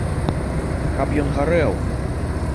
А каб ён гарэў!